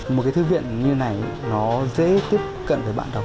một cái thư viện như này nó dễ tiếp cận với bạn đọc